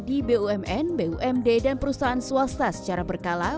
di bumn bumd dan perusahaan swasta secara berkala